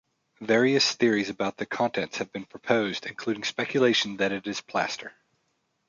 Various theories about the contents have been proposed, including speculation that it is plaster.